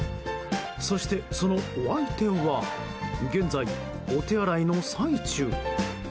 そして、そのお相手は現在、お手洗いの最中。